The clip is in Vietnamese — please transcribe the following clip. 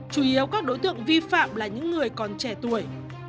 chủ yếu các đối tượng vi phạm là những người còn trẻ tuổi